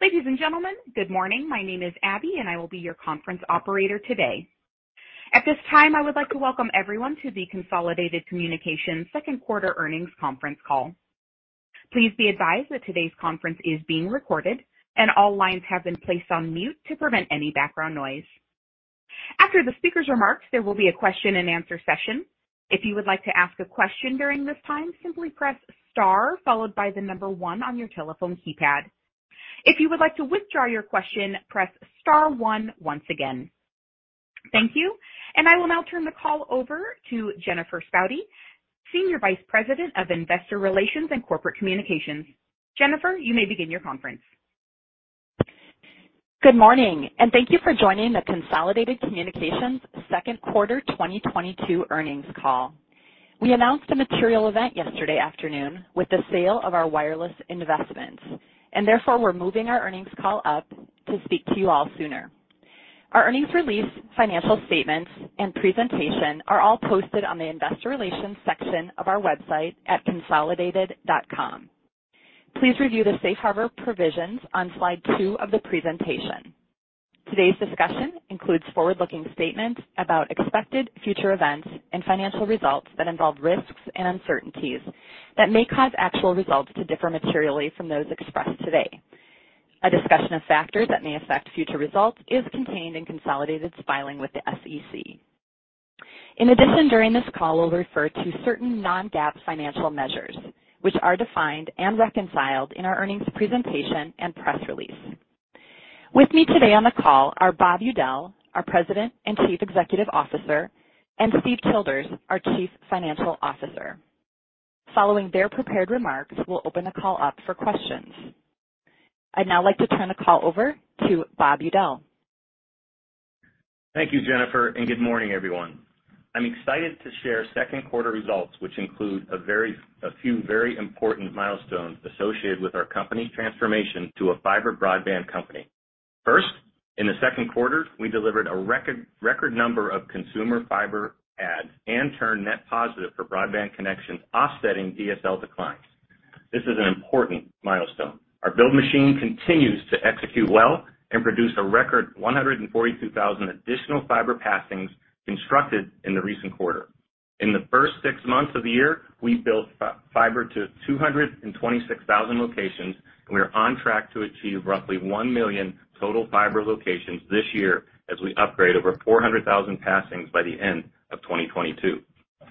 Ladies and gentlemen, good morning. My name is Abby, and I will be your conference operator today. At this time, I would like to welcome everyone to the Consolidated Communications second quarter earnings conference call. Please be advised that today's conference is being recorded and all lines have been placed on mute to prevent any background noise. After the speaker's remarks, there will be a question and answer session. If you would like to ask a question during this time, simply press Star followed by the number one on your telephone keypad. If you would like to withdraw your question, press Star one once again. Thank you. I will now turn the call over to Jennifer Spaude, Senior Vice President of Investor Relations and Corporate Communications. Jennifer, you may begin your conference. Good morning, and thank you for joining the Consolidated Communications second quarter 2022 earnings call. We announced a material event yesterday afternoon with the sale of our wireless investments, and therefore we're moving our earnings call up to speak to you all sooner. Our earnings release, financial statements, and presentation are all posted on the investor relations section of our website at consolidated.com. Please review the Safe Harbor provisions on slide 2 of the presentation. Today's discussion includes forward-looking statements about expected future events and financial results that involve risks and uncertainties that may cause actual results to differ materially from those expressed today. A discussion of factors that may affect future results is contained in Consolidated's filing with the SEC. In addition, during this call, we'll refer to certain non-GAAP financial measures, which are defined and reconciled in our earnings presentation and press release. With me today on the call are Bob Udell, our President and Chief Executive Officer, and Steve Childers, our Chief Financial Officer. Following their prepared remarks, we'll open the call up for questions. I'd now like to turn the call over to Bob Udell. Thank you, Jennifer, and good morning, everyone. I'm excited to share second quarter results, which include a few very important milestones associated with our company transformation to a fiber broadband company. First, in the second quarter, we delivered a record number of consumer fiber adds and turned net positive for broadband connections offsetting DSL declines. This is an important milestone. Our build machine continues to execute well and produce a record 142,000 additional fiber passings constructed in the recent quarter. In the first six months of the year, we built fiber to 226,000 locations, and we are on track to achieve roughly 1 million total fiber locations this year as we upgrade over 400,000 passings by the end of 2022.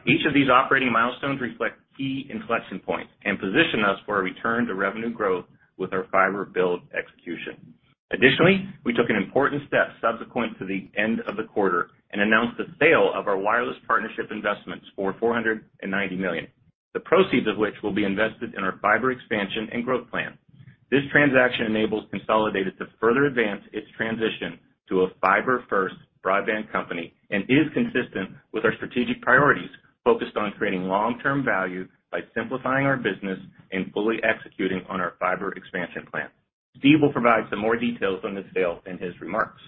Each of these operating milestones reflect key inflection points and position us for a return to revenue growth with our fiber build execution. Additionally, we took an important step subsequent to the end of the quarter and announced the sale of our wireless partnership investments for $490 million, the proceeds of which will be invested in our fiber expansion and growth plan. This transaction enables Consolidated to further advance its transition to a fiber-first broadband company and is consistent with our strategic priorities focused on creating long-term value by simplifying our business and fully executing on our fiber expansion plan. Steve will provide some more details on this sale in his remarks.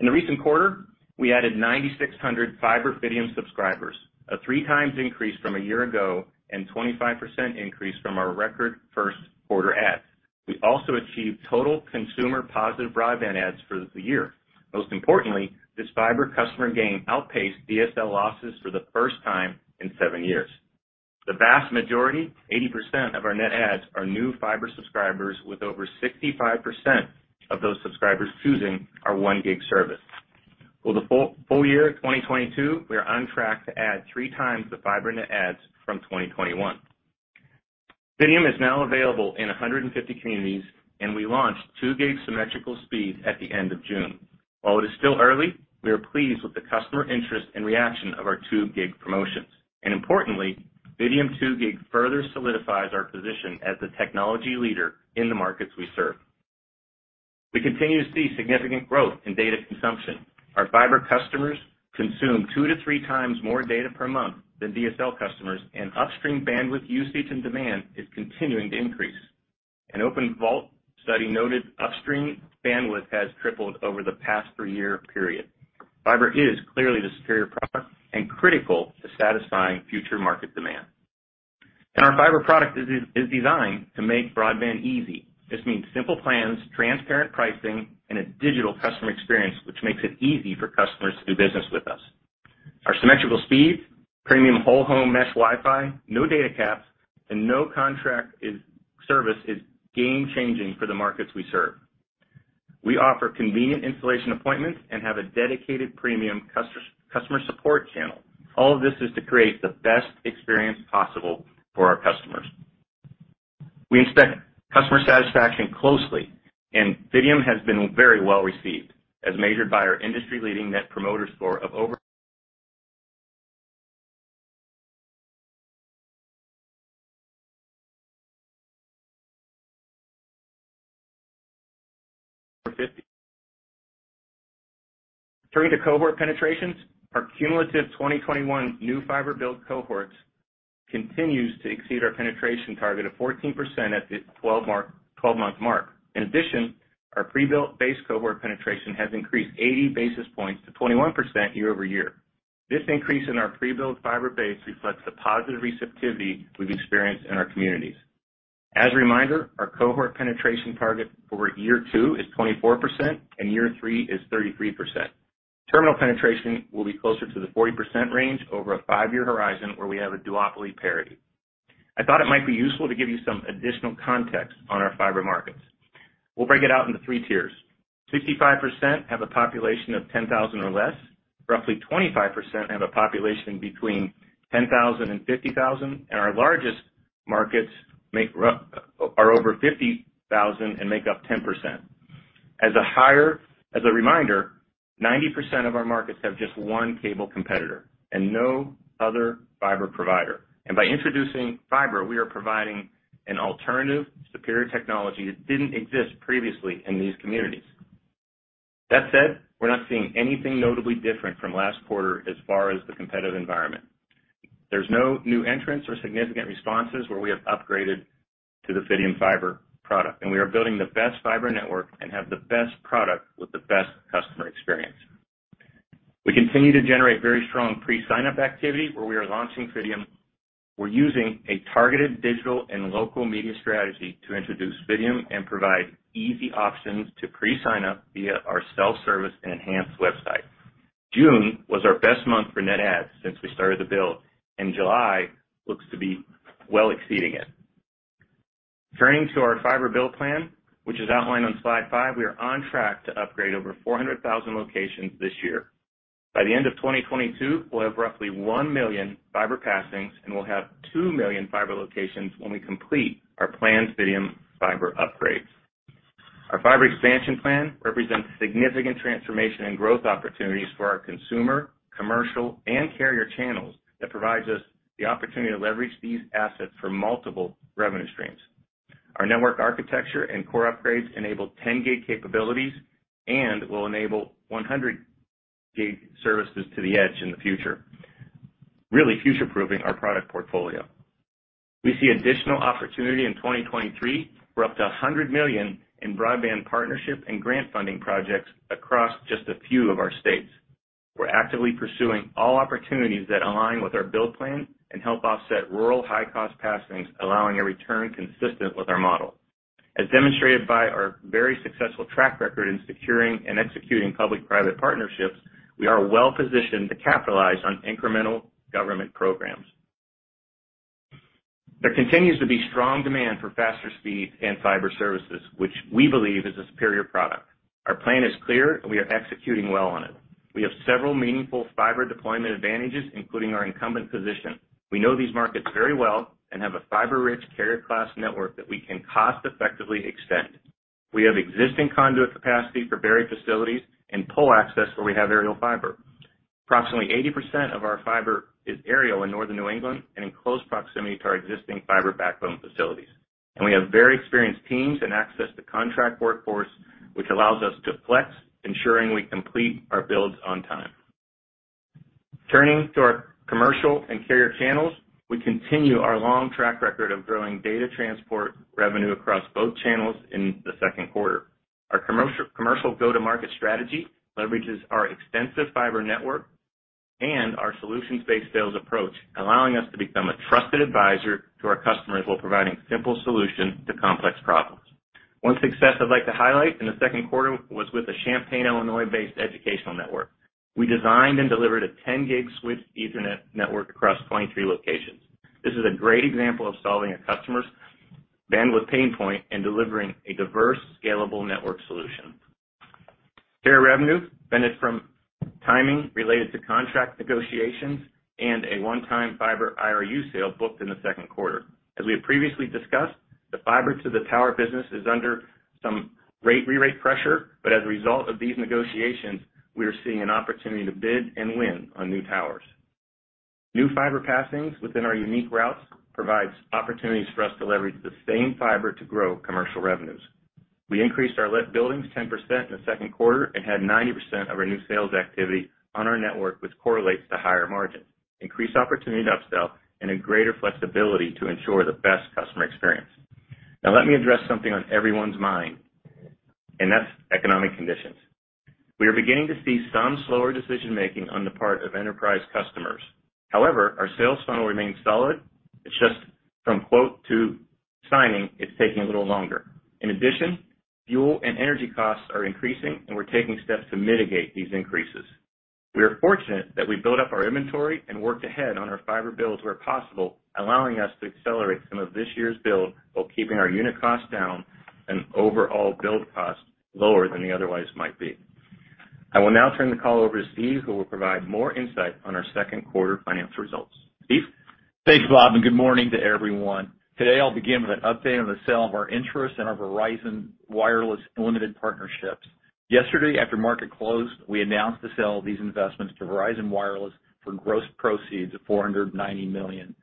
In the recent quarter, we added 9,600 fiber Fidium subscribers, a 3x increase from a year ago and 25% increase from our record first quarter adds. We also achieved total consumer positive broadband adds for the year. Most importantly, this fiber customer gain outpaced DSL losses for the first time in seven years. The vast majority, 80% of our net adds are new fiber subscribers with over 65% of those subscribers choosing our 1 gig service. For the full year 2022, we are on track to add 3 times the fiber net adds from 2021. Fidium is now available in 150 communities, and we launched 2 gig symmetrical speeds at the end of June. While it is still early, we are pleased with the customer interest and reaction of our 2 gig promotions. Importantly, Fidium 2 gig further solidifies our position as the technology leader in the markets we serve. We continue to see significant growth in data consumption. Our fiber customers consume two to three times more data per month than DSL customers, and upstream bandwidth usage and demand is continuing to increase. An OpenVault study noted upstream bandwidth has tripled over the past three-year period. Fiber is clearly the superior product and critical to satisfying future market demand. Our fiber product is designed to make broadband easy. This means simple plans, transparent pricing, and a digital customer experience, which makes it easy for customers to do business with us. Our symmetrical speed, premium whole home mesh Wi-Fi, no data caps, and no contract service is game changing for the markets we serve. We offer convenient installation appointments and have a dedicated premium customer support channel. All of this is to create the best experience possible for our customers. We inspect customer satisfaction closely, and Fidium has been very well received as measured by our industry-leading Net Promoter Score of over 50. Turning to cohort penetrations, our cumulative 2021 new fiber build cohorts continues to exceed our penetration target of 14% at the 12-month mark. In addition, our prebuilt base cohort penetration has increased 80 basis points to 21% year-over-year. This increase in our pre-built fiber base reflects the positive receptivity we've experienced in our communities. As a reminder, our cohort penetration target over year 2 is 24% and year 3 is 33%. Terminal penetration will be closer to the 40% range over a 5-year horizon where we have a duopoly parity. I thought it might be useful to give you some additional context on our fiber markets. We'll break it out into three tiers. 65% have a population of 10,000 or less. Roughly 25% have a population between 10,000 and 50,000, and our largest markets are over 50,000 and make up 10%. As a reminder, 90% of our markets have just one cable competitor and no other fiber provider. By introducing fiber, we are providing an alternative, superior technology that didn't exist previously in these communities. That said, we're not seeing anything notably different from last quarter as far as the competitive environment. There's no new entrants or significant responses where we have upgraded to the Fidium fiber product, and we are building the best fiber network and have the best product with the best customer experience. We continue to generate very strong pre-sign up activity where we are launching Fidium. We're using a targeted digital and local media strategy to introduce Fidium and provide easy options to pre-sign up via our self-service and enhanced website. June was our best month for net adds since we started the build, and July looks to be well exceeding it. Turning to our fiber build plan, which is outlined on slide 5, we are on track to upgrade over 400,000 locations this year. By the end of 2022, we'll have roughly 1 million fiber passings, and we'll have 2 million fiber locations when we complete our planned Fidium fiber upgrades. Our fiber expansion plan represents significant transformation and growth opportunities for our consumer, commercial, and carrier channels that provides us the opportunity to leverage these assets for multiple revenue streams. Our network architecture and core upgrades enable 10-gig capabilities and will enable 100-gig services to the edge in the future, really future-proofing our product portfolio. We see additional opportunity in 2023 for up to $100 million in broadband partnership and grant funding projects across just a few of our states. We're actively pursuing all opportunities that align with our build plan and help offset rural high-cost passings, allowing a return consistent with our model. As demonstrated by our very successful track record in securing and executing public-private partnerships, we are well positioned to capitalize on incremental government programs. There continues to be strong demand for faster speed and fiber services, which we believe is a superior product. Our plan is clear, and we are executing well on it. We have several meaningful fiber deployment advantages, including our incumbent position. We know these markets very well and have a fiber-rich carrier class network that we can cost effectively extend. We have existing conduit capacity for buried facilities and pole access where we have aerial fiber. Approximately 80% of our fiber is aerial in Northern New England and in close proximity to our existing fiber backbone facilities. We have very experienced teams and access to contract workforce, which allows us to flex, ensuring we complete our builds on time. Turning to our commercial and carrier channels, we continue our long track record of growing data transport revenue across both channels in the second quarter. Our commercial go-to-market strategy leverages our extensive fiber network and our solutions-based sales approach, allowing us to become a trusted advisor to our customers while providing simple solutions to complex problems. One success I'd like to highlight in the second quarter was with the Champaign, Illinois-based educational network. We designed and delivered a 10-gig switched Ethernet network across 23 locations. This is a great example of solving a customer's bandwidth pain point and delivering a diverse, scalable network solution. Core revenue benefited from timing related to contract negotiations and a one-time fiber IRU sale booked in the second quarter. As we have previously discussed, the fiber to the tower business is under some re-rate pressure. As a result of these negotiations, we are seeing an opportunity to bid and win on new towers. New fiber passings within our unique routes provides opportunities for us to leverage the same fiber to grow commercial revenues. We increased our lit buildings 10% in the second quarter and had 90% of our new sales activity on our network, which correlates to higher margins, increased opportunity to upsell, and a greater flexibility to ensure the best customer experience. Now, let me address something on everyone's mind, and that's economic conditions. We are beginning to see some slower decision-making on the part of enterprise customers. However, our sales funnel remains solid. It's just from quote to signing, it's taking a little longer. In addition, fuel and energy costs are increasing, and we're taking steps to mitigate these increases. We are fortunate that we built up our inventory and worked ahead on our fiber builds where possible, allowing us to accelerate some of this year's build while keeping our unit costs down and overall build costs lower than they otherwise might be. I will now turn the call over to Steve, who will provide more insight on our second quarter financial results. Steve? Thanks, Bob, and good morning to everyone. Today, I'll begin with an update on the sale of our interest in our Verizon Wireless limited partnerships. Yesterday, after market closed, we announced the sale of these investments to Verizon Wireless for gross proceeds of $490 million.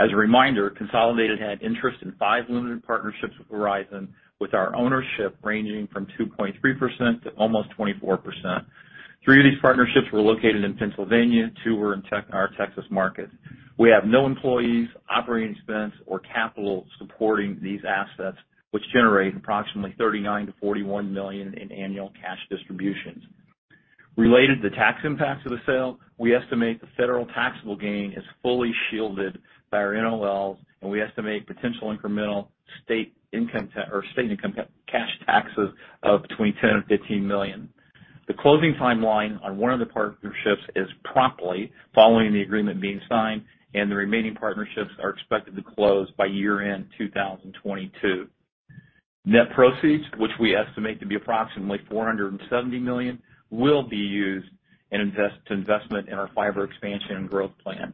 As a reminder, Consolidated had interest in five limited partnerships with Verizon, with our ownership ranging from 2.3% to almost 24%. Three of these partnerships were located in Pennsylvania. Two were in our Texas market. We have no employees, operating expense, or capital supporting these assets, which generate approximately $39 million-$41 million in annual cash distributions. Related to tax impacts of the sale, we estimate the federal taxable gain is fully shielded by our NOLs, and we estimate potential incremental state income tax or state income cash taxes of between $10 million and $15 million. The closing timeline on one of the partnerships is promptly following the agreement being signed, and the remaining partnerships are expected to close by year-end 2022. Net proceeds, which we estimate to be approximately $470 million, will be used in investment in our fiber expansion and growth plan.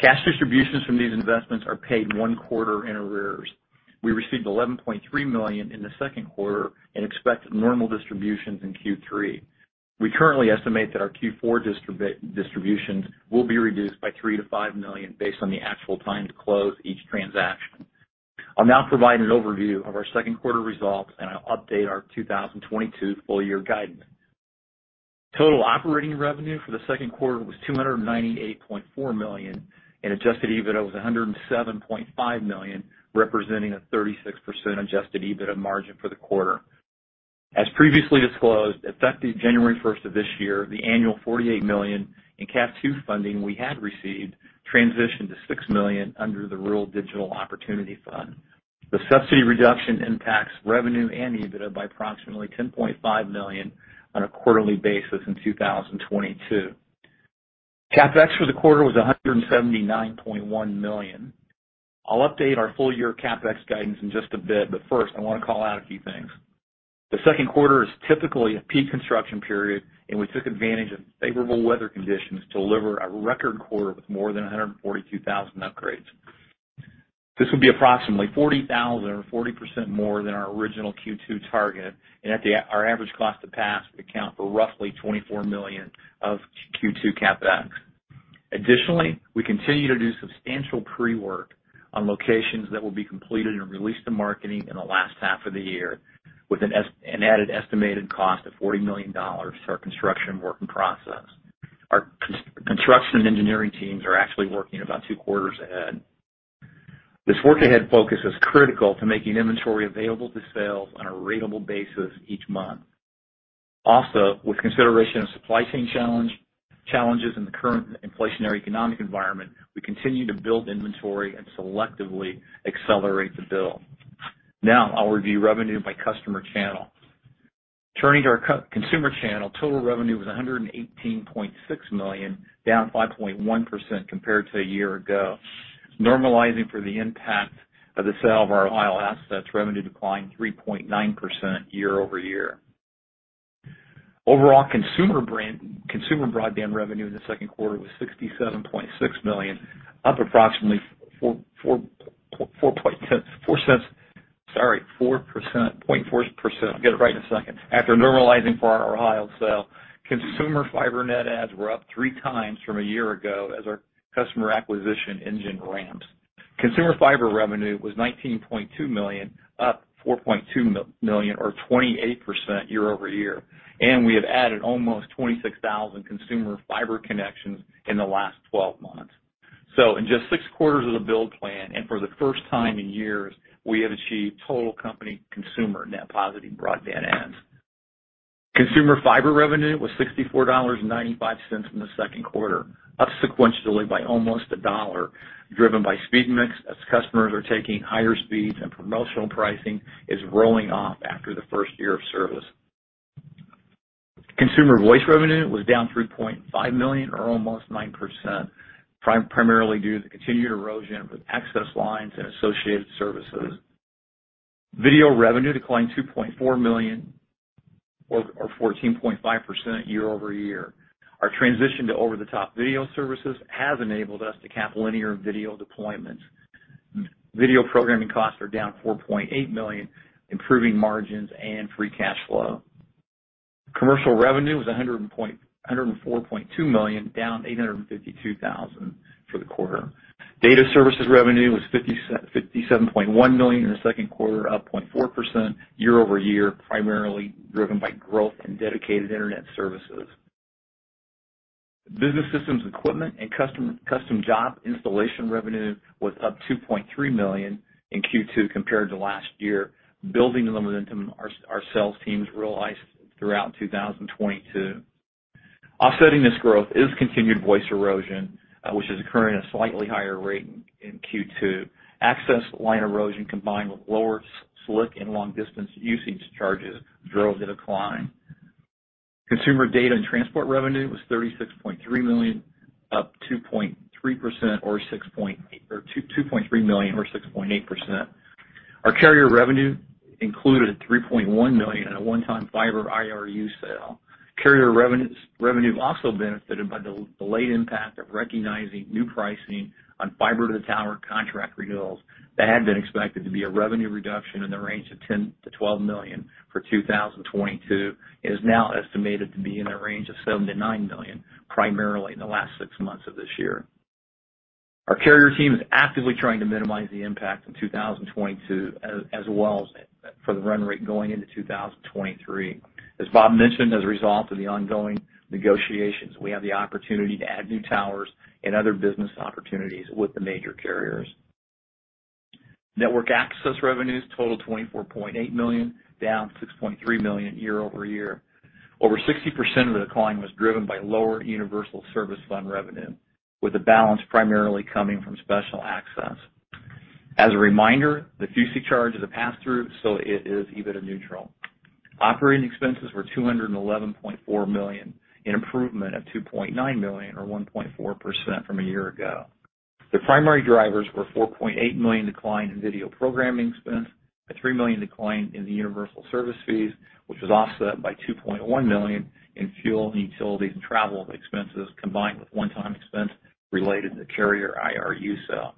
Cash distributions from these investments are paid one quarter in arrears. We received $11.3 million in the second quarter and expect normal distributions in Q3. We currently estimate that our Q4 distributions will be reduced by $3 million-$5 million based on the actual time to close each transaction. I'll now provide an overview of our second quarter results, and I'll update our 2022 full year guidance. Total operating revenue for the second quarter was $298.4 million, and adjusted EBITDA was $107.5 million, representing a 36% adjusted EBITDA margin for the quarter. As previously disclosed, effective January first of this year, the annual $48 million in CAF II funding we had received transitioned to $6 million under the Rural Digital Opportunity Fund. The subsidy reduction impacts revenue and EBITDA by approximately $10.5 million on a quarterly basis in 2022. CapEx for the quarter was $179.1 million. I'll update our full year CapEx guidance in just a bit, but first, I want to call out a few things. The second quarter is typically a peak construction period, and we took advantage of favorable weather conditions to deliver a record quarter with more than 142,000 upgrades. This will be approximately 40,000 or 40% more than our original Q2 target, and our average cost to pass would account for roughly $24 million of Q2 CapEx. Additionally, we continue to do substantial pre-work on locations that will be completed and released to marketing in the last half of the year with an added estimated cost of $40 million to our construction work in process. Our construction engineering teams are actually working about two quarters ahead. This work ahead focus is critical to making inventory available to sales on a ratable basis each month. Also, with consideration of supply chain challenges in the current inflationary economic environment, we continue to build inventory and selectively accelerate the build. Now I'll review revenue by customer channel. Turning to our consumer channel, total revenue was $118.6 million, down 5.1% compared to a year ago. Normalizing for the impact of the sale of our Ohio assets, revenue declined 3.9% year-over-year. Overall consumer broadband revenue in the second quarter was $67.6 million, up approximately four percent, point four percent. I'll get it right in a second. After normalizing for our Ohio sale, consumer fiber net adds were up three times from a year ago as our customer acquisition engine ramps. Consumer fiber revenue was $19.2 million, up $4.2 million or 28% year-over-year, and we have added almost 26,000 consumer fiber connections in the last twelve months. In just 6 quarters of the build plan and for the first time in years, we have achieved total company consumer net positive broadband adds. Consumer fiber revenue was $64.95 in the second quarter, up sequentially by almost $1, driven by speed mix as customers are taking higher speeds and promotional pricing is rolling off after the first year of service. Consumer voice revenue was down $3.5 million or almost 9%, primarily due to the continued erosion of access lines and associated services. Video revenue declined $2.4 million or 14.5% year-over-year. Our transition to over-the-top video services has enabled us to cap linear video deployments. Video programming costs are down $4.8 million, improving margins and free cash flow. Commercial revenue was $104.2 million, down $852,000 for the quarter. Data services revenue was $57.1 million in the second quarter, up 0.4% year-over-year, primarily driven by growth in dedicated internet services. Business systems equipment and custom job installation revenue was up $2.3 million in Q2 compared to last year, building the momentum our sales teams realized throughout 2022. Offsetting this growth is continued voice erosion, which is occurring at a slightly higher rate in Q2. Access line erosion combined with lower SLIC and long distance usage charges drove the decline. Carrier data and transport revenue was $36.3 million, up 2.3% or $2.3 million or 6.8%. Our carrier revenue included $3.1 million on a one-time fiber IRU sale. Carrier revenue also benefited by the late impact of recognizing new pricing on fiber to the tower contract renewals that had been expected to be a revenue reduction in the range of $10-$12 million for 2022. It is now estimated to be in the range of $7-$9 million, primarily in the last six months of this year. Our carrier team is actively trying to minimize the impact in 2022 as well as for the run rate going into 2023. As Bob mentioned, as a result of the ongoing negotiations, we have the opportunity to add new towers and other business opportunities with the major carriers. Network access revenues totaled $24.8 million, down $6.3 million year-over-year. Over 60% of the decline was driven by lower Universal Service Fund revenue, with the balance primarily coming from special access. As a reminder, the FCC charge is a pass-through, so it is EBITDA neutral. Operating expenses were $211.4 million, an improvement of $2.9 million or 1.4% from a year ago. The primary drivers were $4.8 million decline in video programming expense, a $3 million decline in the universal service fees, which was offset by $2.1 million in fuel, and utilities, and travel expenses, combined with one-time expense related to the carrier IRU sale.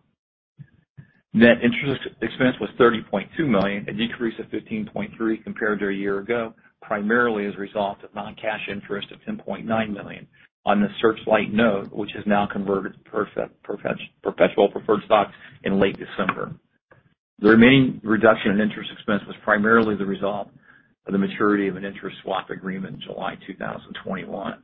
Net interest expense was $30.2 million, a decrease of $15.3 million compared to a year ago, primarily as a result of non-cash interest of $10.9 million on the Searchlight note, which has now converted to perpetual preferred stock in late December. The remaining reduction in interest expense was primarily the result of the maturity of an interest rate swap agreement in July 2021.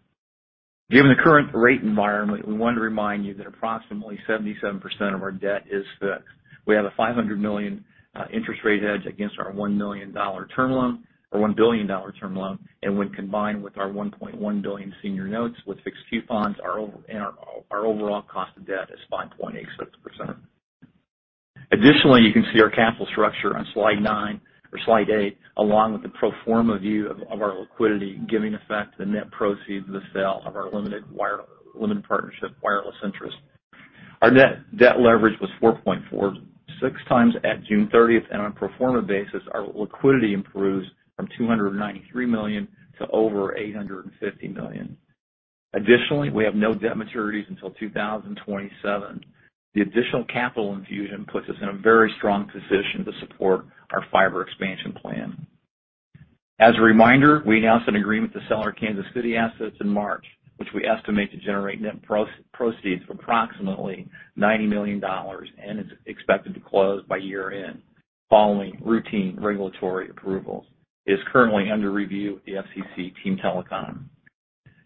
Given the current rate environment, we want to remind you that approximately 77% of our debt is fixed. We have a $500 million interest rate hedge against our $1 billion term loan, and when combined with our $1.1 billion senior notes with fixed coupons, our overall cost of debt is 5.86%. You can see our capital structure on slide 9 or slide 8, along with the pro forma view of our liquidity, giving effect to the net proceeds of the sale of our limited partnership wireless interest. Our net debt leverage was 4.46x at June 30, and on a pro forma basis, our liquidity improves from $293 million to over $850 million. We have no debt maturities until 2027. The additional capital infusion puts us in a very strong position to support our fiber expansion plan. As a reminder, we announced an agreement to sell our Kansas City assets in March, which we estimate to generate net proceeds of approximately $90 million and is expected to close by year-end following routine regulatory approvals. It is currently under review with the FCC Team Telecom.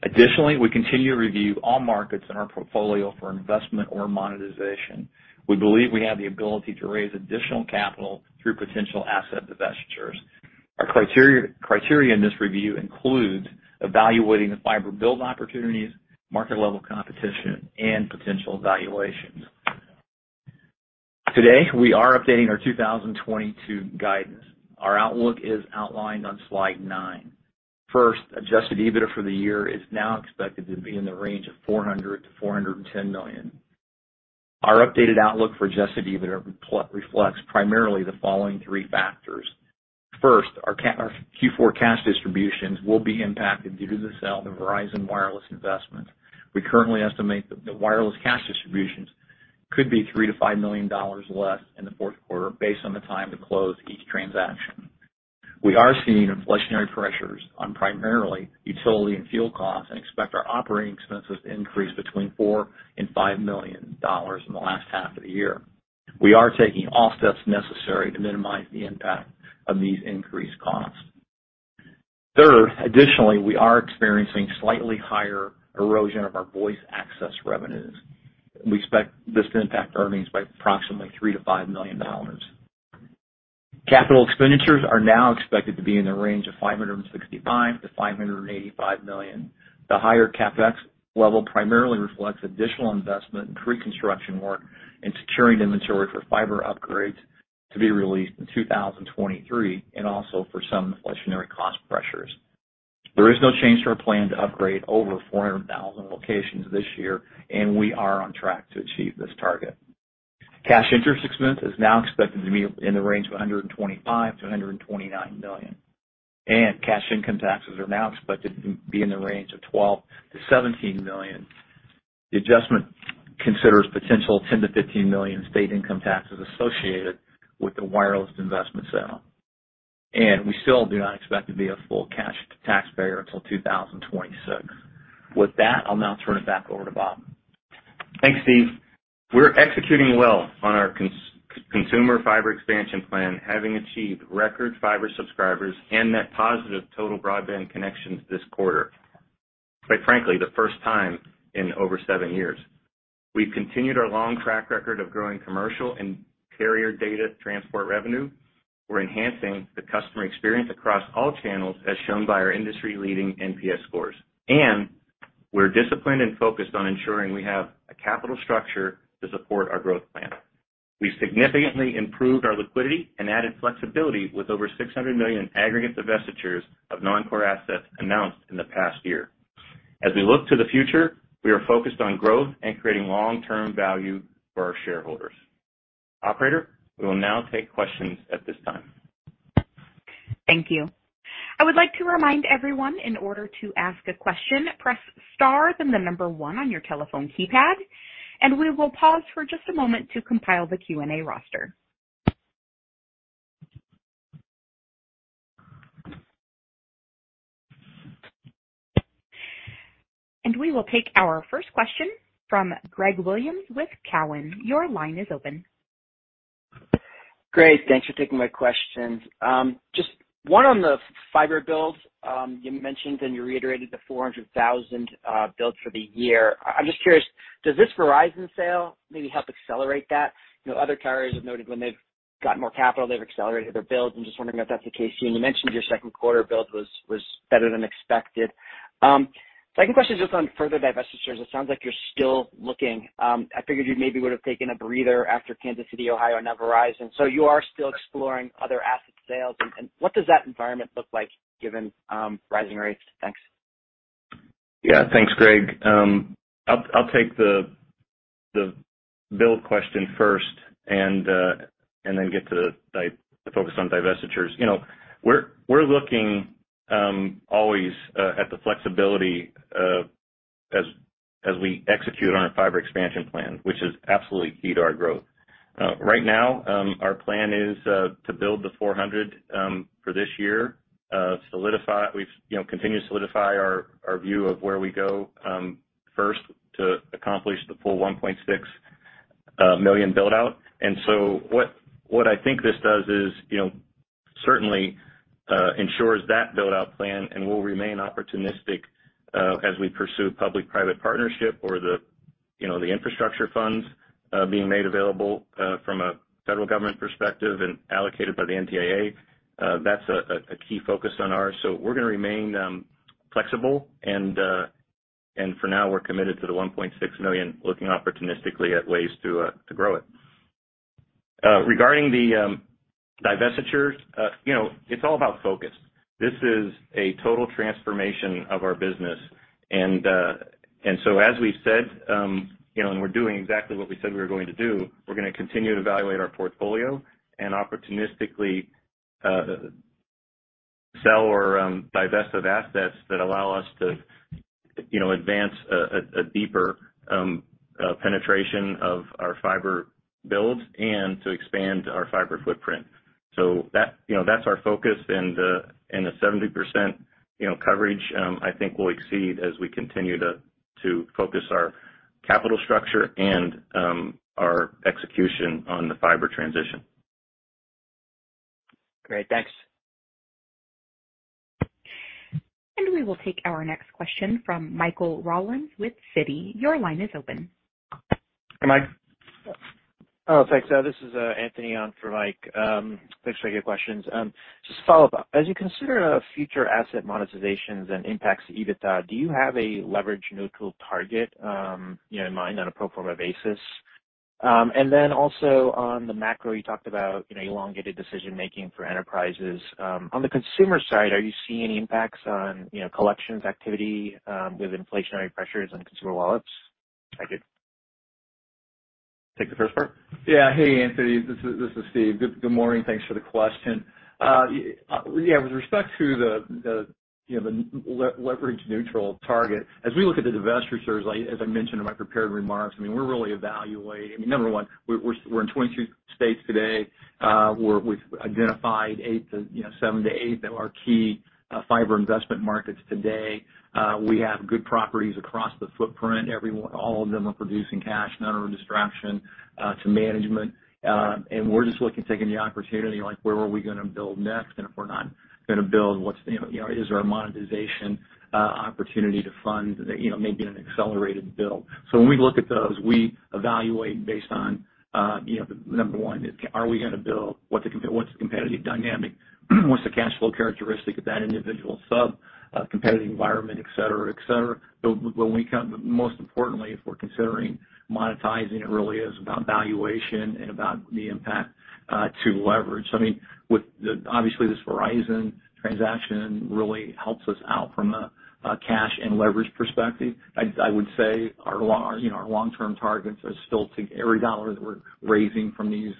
Additionally, we continue to review all markets in our portfolio for investment or monetization. We believe we have the ability to raise additional capital through potential asset divestitures. Our criteria in this review includes evaluating the fiber build opportunities, market level competition, and potential valuations. Today, we are updating our 2022 guidance. Our outlook is outlined on slide 9. First, adjusted EBITDA for the year is now expected to be in the range of $400 million-$410 million. Our updated outlook for adjusted EBITDA reflects primarily the following three factors. First, our Q4 cash distributions will be impacted due to the sale of the Verizon Wireless investment. We currently estimate that the wireless cash distributions could be $3-$5 million less in the fourth quarter based on the time to close each transaction. We are seeing inflationary pressures on primarily utility and fuel costs and expect our operating expenses to increase between $4-$5 million in the last half of the year. We are taking all steps necessary to minimize the impact of these increased costs. Third, additionally, we are experiencing slightly higher erosion of our voice access revenues. We expect this to impact earnings by approximately $3-$5 million. Capital expenditures are now expected to be in the range of $565-$585 million. The higher CapEx level primarily reflects additional investment in pre-construction work and securing inventory for fiber upgrades to be released in 2023, and also for some inflationary cost pressures. There is no change to our plan to upgrade over 400,000 locations this year, and we are on track to achieve this target. Cash interest expense is now expected to be in the range of $125 million-$129 million, and cash income taxes are now expected to be in the range of $12 million-$17 million. The adjustment considers potential $10 million-$15 million in state income taxes associated with the wireless investment sale. We still do not expect to be a full cash tax payer till 2026. With that, I'll now turn it back over to Bob. Thanks, Steve. We're executing well on our consumer fiber expansion plan, having achieved record fiber subscribers and net positive total broadband connections this quarter. Quite frankly, the first time in over seven years. We've continued our long track record of growing commercial and carrier data transport revenue. We're enhancing the customer experience across all channels, as shown by our industry-leading NPS scores, and we're disciplined and focused on ensuring we have a capital structure to support our growth plan. We've significantly improved our liquidity and added flexibility with over $600 million in aggregate divestitures of non-core assets announced in the past year. As we look to the future, we are focused on growth and creating long-term value for our shareholders. Operator, we will now take questions at this time. Thank you. I would like to remind everyone, in order to ask a question, press star then the number one on your telephone keypad, and we will pause for just a moment to compile the Q&A roster. We will take our first question from Greg Williams with Cowen. Your line is open. Great. Thanks for taking my questions. One on the fiber builds, you mentioned and you reiterated the 400,000 builds for the year. I'm just curious, does this Verizon sale maybe help accelerate that? You know, other carriers have noted when they've got more capital, they've accelerated their builds. I'm just wondering if that's the case here. You mentioned your second quarter build was better than expected. Second question is just on further divestitures. It sounds like you're still looking. I figured you maybe would've taken a breather after Kansas City, Ohio, now Verizon. You are still exploring other asset sales and what does that environment look like given rising rates? Thanks. Thanks, Greg. I'll take the build question first and then get to the focus on divestitures. You know, we're looking always at the flexibility as we execute on our fiber expansion plan, which is absolutely key to our growth. Right now, our plan is to build 400 for this year. We've you know continue to solidify our view of where we go first to accomplish the full 1.6 million buildout. What I think this does is, you know, certainly ensures that buildout plan and we'll remain opportunistic as we pursue public-private partnership or the, you know, the infrastructure funds being made available from a federal government perspective and allocated by the NTIA. That's a key focus on ours. We're gonna remain flexible and for now, we're committed to the $1.6 million, looking opportunistically at ways to grow it. Regarding the divestitures, you know, it's all about focus. This is a total transformation of our business. As we've said, you know, and we're doing exactly what we said we were going to do, we're gonna continue to evaluate our portfolio and opportunistically sell or divest of assets that allow us to, you know, advance a deeper penetration of our fiber builds and to expand our fiber footprint. That, you know, that's our focus and the 70% coverage, you know, I think will exceed as we continue to focus our capital structure and our execution on the fiber transition. Great. Thanks. We will take our next question from Michael Rollins with Citi. Your line is open. Hi, Mike. Oh, thanks. This is Anthony on for Mike. Thanks for your questions. Just to follow up, as you consider future asset monetizations and impacts to EBITDA, do you have a leverage neutral target, you know, in mind on a pro forma basis? Also on the macro, you talked about, you know, elongated decision-making for enterprises. On the consumer side, are you seeing any impacts on, you know, collections activity, with inflationary pressures on consumer wallets? Thank you. Take the first part. Yeah. Hey, Anthony, this is Steve. Good morning. Thanks for the question. Yeah, with respect to the leverage neutral target, as we look at the divestitures, as I mentioned in my prepared remarks, I mean, we're really evaluating. I mean, number one, we're in 22 states today. We've identified 7-8 that are key fiber investment markets today. We have good properties across the footprint. All of them are producing cash, none are a distraction to management. We're just looking to taking the opportunity, like, where are we gonna build next? If we're not gonna build, what's, you know, is there a monetization opportunity to fund, you know, maybe an accelerated build. When we look at those, we evaluate based on, you know, number one is, are we gonna build? What's the competitive dynamic? What's the cash flow characteristic of that individual sub, competitive environment, et cetera, et cetera. Most importantly, if we're considering monetizing, it really is about valuation and about the impact to leverage. I mean, obviously, this Verizon transaction really helps us out from a cash and leverage perspective. I would say our long-term targets are still to every dollar that we're raising from these,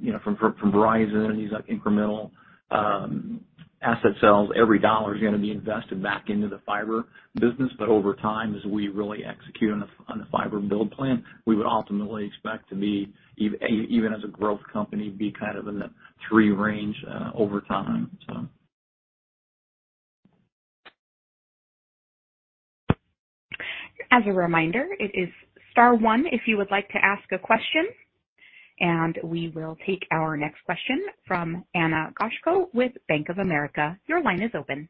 you know, from Verizon and these like, incremental asset sales, every dollar is gonna be invested back into the fiber business. Over time, as we really execute on the fiber build plan, we would ultimately expect to be even as a growth company, kind of in the 3 range over time. As a reminder, it is star one if you would like to ask a question. We will take our next question from Ana Goshko with Bank of America. Your line is open.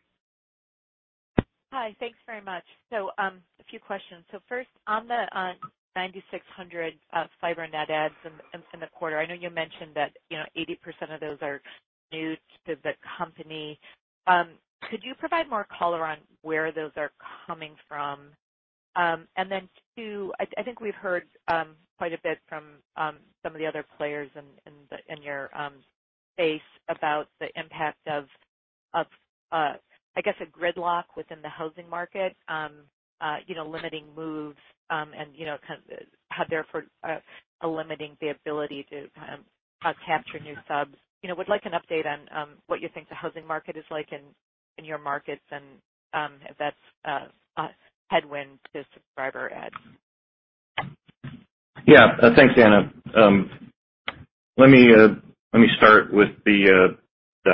Hi. Thanks very much. A few questions. First, on the 9,600 fiber net adds in the quarter, I know you mentioned that, you know, 80% of those are new to the company. Could you provide more color on where those are coming from? Then two, I think we've heard quite a bit from some of the other players in your space about the impact of I guess a gridlock within the housing market, you know, limiting moves, and you know kind of therefore limiting the ability to capture new subs. You know, we'd like an update on what you think the housing market is like in your markets and if that's a headwind to subscriber adds. Yeah. Thanks, Anna. Let me start with the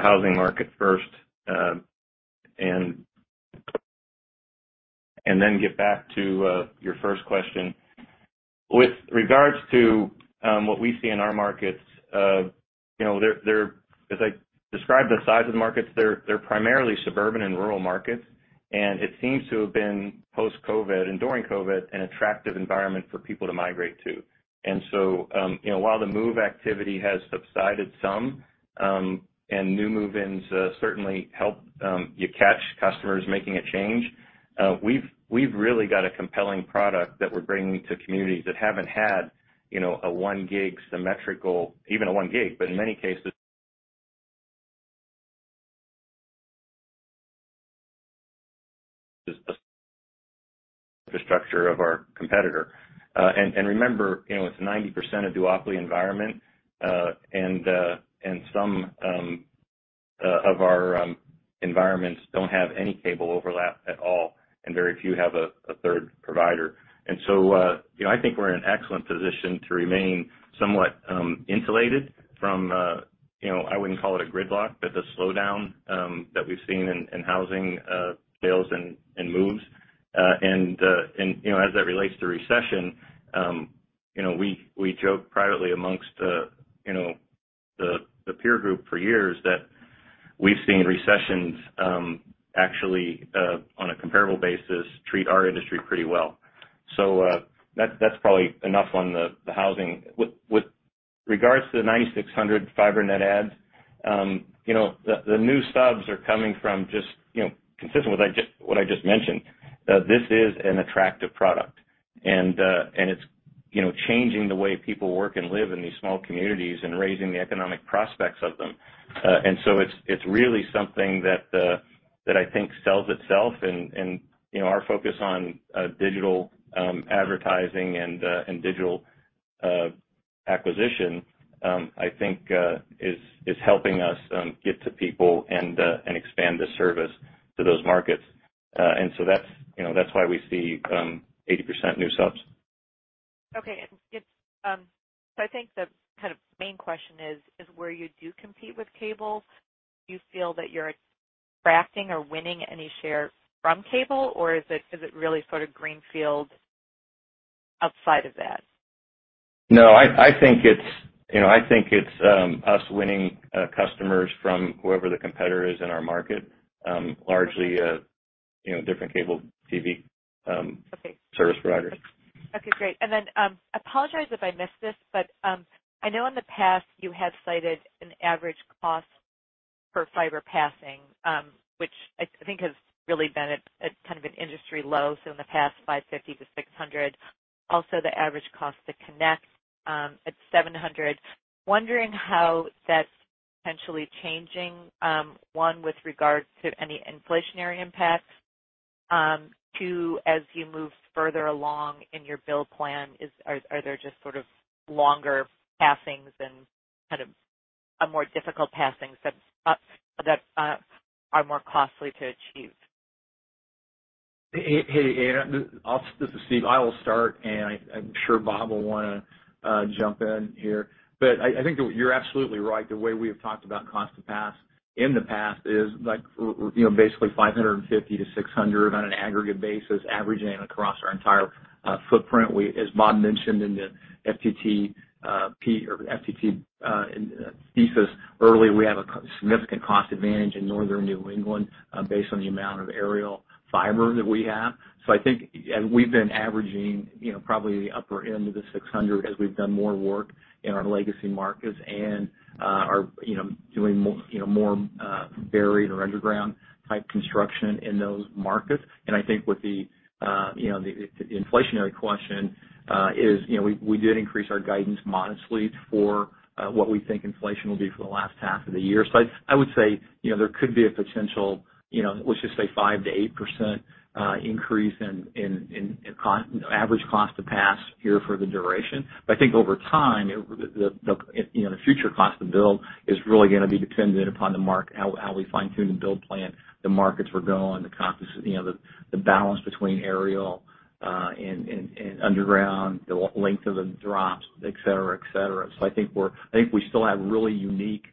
housing market first, and then get back to your first question. With regards to what we see in our markets, you know, they're as I described the size of the markets, they're primarily suburban and rural markets, and it seems to have been post-COVID and during COVID, an attractive environment for people to migrate to. You know, while the move activity has subsided some, and new move-ins certainly help you catch customers making a change, we've really got a compelling product that we're bringing to communities that haven't had, you know, a 1 gig symmetrical, even a 1 gig, but in many cases, the structure of our competitor. Remember, you know, it's 90% a duopoly environment, and some of our environments don't have any cable overlap at all, and very few have a third provider. You know, I think we're in an excellent position to remain somewhat insulated from, you know, I wouldn't call it a gridlock, but the slowdown that we've seen in housing sales and moves. You know, as that relates to recession, you know, we joke privately amongst, you know, the peer group for years that we've seen recessions, actually, on a comparable basis, treat our industry pretty well. That's probably enough on the housing. With regards to the 9,600 fiber net adds, the new subs are coming from just consistent with what I just mentioned, that this is an attractive product. It's changing the way people work and live in these small communities and raising the economic prospects of them. It's really something that I think sells itself. Our focus on digital advertising and digital acquisition, I think, is helping us get to people and expand the service to those markets. That's why we see 80% new subs. I think the kind of main question is where you do compete with cable, do you feel that you're capturing or winning any share from cable, or is it really sort of greenfield outside of that? No, I think it's, you know, us winning customers from whoever the competitor is in our market, largely, you know, different cable TV- Okay. Service providers. Okay, great. Apologize if I missed this, but, I know in the past you had cited an average cost for fiber passing, which I think has really been at kind of an industry low, so in the past $550-$600. Also, the average cost to connect at $700. Wondering how that's potentially changing, one, with regards to any inflationary impacts. Two, as you move further along in your build plan, are there just sort of longer passings and kind of a more difficult passings that are more costly to achieve? Hey, Anna, this is Steve. I will start, and I'm sure Bob will wanna jump in here. I think you're absolutely right. The way we have talked about cost to pass in the past is like, you know, basically $550-$600 on an aggregate basis, averaging across our entire footprint. As Bob mentioned in the FTTP thesis earlier, we have a significant cost advantage in Northern New England based on the amount of aerial fiber that we have. I think, and we've been averaging, you know, probably the upper end of the 600 as we've done more work in our legacy markets and are, you know, doing more buried or underground type construction in those markets. I think with the you know the inflationary question is you know we did increase our guidance modestly for what we think inflation will be for the last half of the year. I would say you know there could be a potential you know let's just say 5%-8% increase in average cost to pass here for the duration. I think over time you know the future cost to build is really gonna be dependent upon the market how we fine-tune the build plan the markets we're going the cost you know the balance between aerial and underground the length of the drops et cetera. I think we still have really unique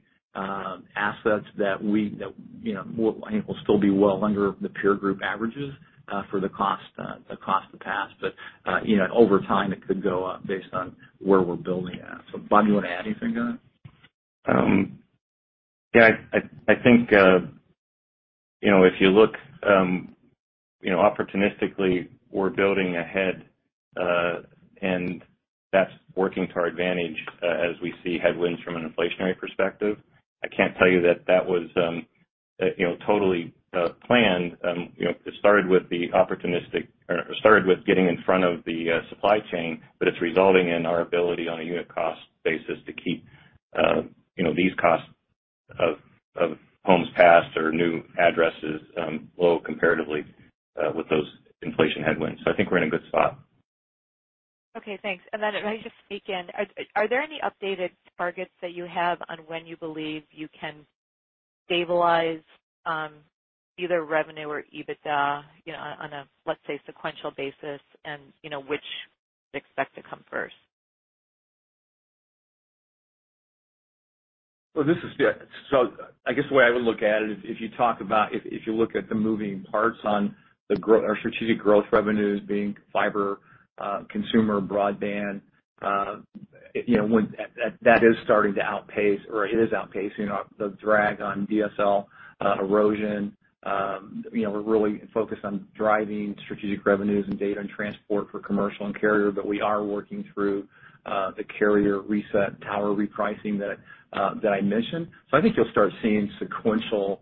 assets that, you know, I think will still be well under the peer group averages for the cost to pass. But, you know, over time, it could go up based on where we're building at. Bob, do you want to add anything to that? Yeah, I think, you know, if you look, you know, opportunistically, we're building ahead, and that's working to our advantage as we see headwinds from an inflationary perspective. I can't tell you that that was, you know, totally planned. You know, it started with getting in front of the supply chain, but it's resulting in our ability on a unit cost basis to keep, you know, these costs of homes passed or new addresses low comparatively with those inflation headwinds. I think we're in a good spot. Okay, thanks. If I could just sneak in. Are there any updated targets that you have on when you believe you can stabilize either revenue or EBITDA, you know, on a, let's say, sequential basis and, you know, which you expect to come first? Well, yeah, so I guess the way I would look at it is if you look at the moving parts on our strategic growth revenues being fiber, consumer broadband, you know, when that is starting to outpace or it is outpacing the drag on DSL erosion. You know, we're really focused on driving strategic revenues and data and transport for commercial and carrier. But we are working through the carrier reset tower repricing that I mentioned. I think you'll start seeing sequential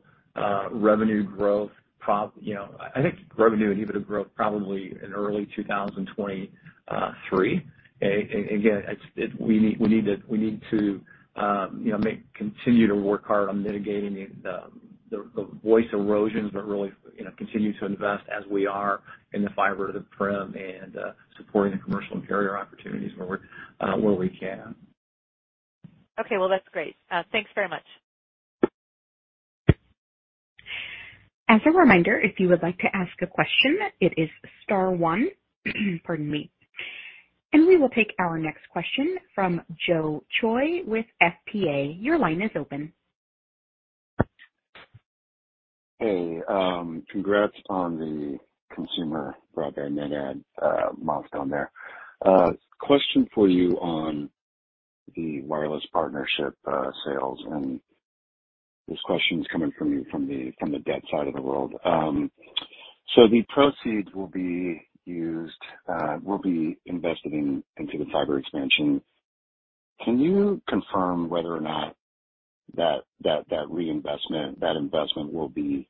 revenue growth. You know, I think revenue and EBITDA growth probably in early 2023. We need to, you know, continue to work hard on mitigating the voice erosions, but really, you know, continue to invest as we are in the fiber to the prem and supporting the commercial and carrier opportunities where we can. Okay. Well, that's great. Thanks very much. As a reminder, if you would like to ask a question, it is star one. Pardon me. We will take our next question from Joe Choi with FPA. Your line is open. Hey, congrats on the consumer broadband net add milestone there. Question for you on the wireless partnership sales, and this question is coming to you from the debt side of the world. The proceeds will be invested into the fiber expansion. Can you confirm whether or not that investment will be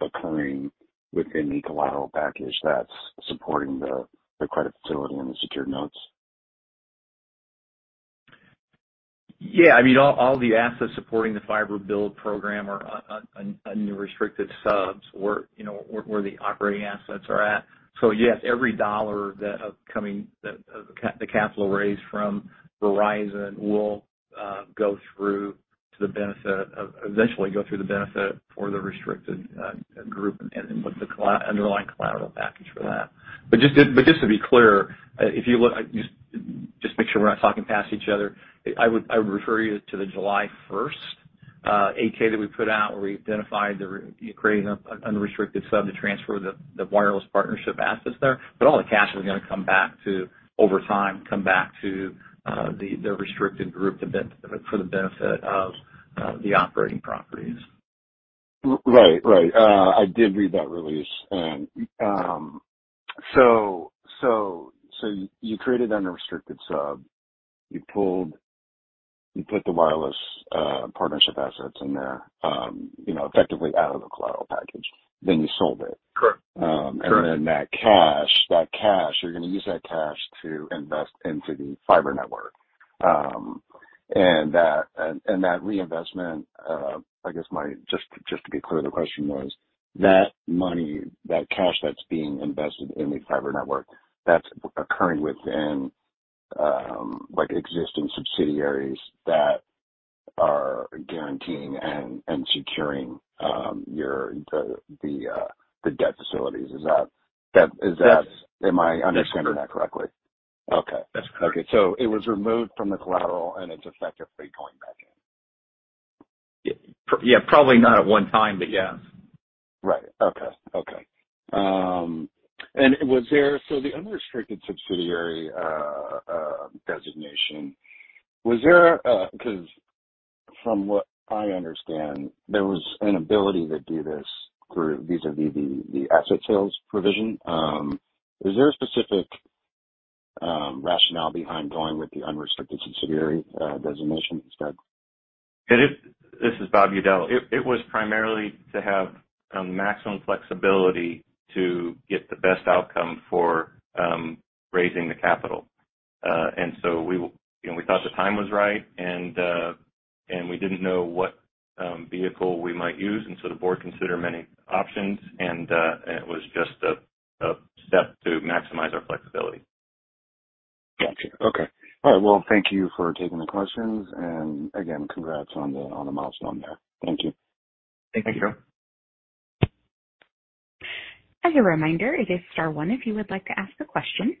occurring within the collateral package that's supporting the credit facility and the secured notes? Yeah. I mean, all the assets supporting the fiber build program are unrestricted subs where, you know, the operating assets are at. Yes, every dollar that the capital raised from Verizon will go through to the benefit of, eventually go through the benefit for the restricted group and with the underlying collateral package for that. Just to be clear, if you look, make sure we're not talking past each other. I would refer you to the July first 8-K that we put out, where we identified the creating an unrestricted sub to transfer the wireless partnership assets there. All the cash is gonna come back over time to the restricted group for the benefit of the operating properties. Right. I did read that release. So you created unrestricted sub. You put the wireless partnership assets in there, you know, effectively out of the collateral package, then you sold it. Correct. That cash you're gonna use to invest into the fiber network. That reinvestment, I guess just to be clear, the question was that money, that cash that's being invested in the fiber network that's occurring within like existing subsidiaries that are guaranteeing and securing the debt facilities. Is that? Yes. Am I understanding that correctly? Okay. That's correct. Okay. It was removed from the collateral, and it's effectively going back in. Yeah. Probably not at one time, but yeah. Right. Okay. The unrestricted subsidiary designation was there 'cause from what I understand, there was an ability to do this through vis-a-vis the asset sales provision. Is there a specific rationale behind going with the unrestricted subsidiary designation instead? It is. This is Bob Udell. It was primarily to have maximum flexibility to get the best outcome for raising the capital. We you know thought the time was right and we didn't know what vehicle we might use. The board considered many options and it was just a step to maximize our flexibility. Gotcha. Okay. All right. Well, thank you for taking the questions and again, congrats on the, on the milestone there. Thank you. Thank you. As a reminder, it is star one if you would like to ask a question.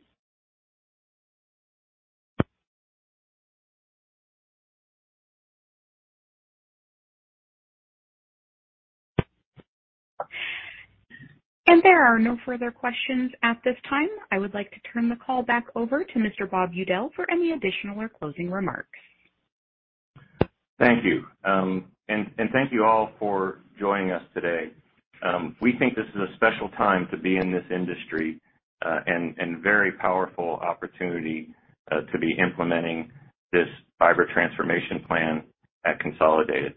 There are no further questions at this time. I would like to turn the call back over to Mr. Bob Udell for any additional or closing remarks. Thank you. Thank you all for joining us today. We think this is a special time to be in this industry and very powerful opportunity to be implementing this fiber transformation plan at Consolidated.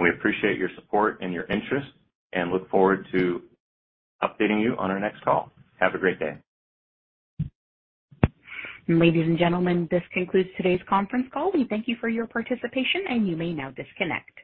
We appreciate your support and your interest and look forward to updating you on our next call. Have a great day. Ladies and gentlemen, this concludes today's conference call. We thank you for your participation, and you may now disconnect.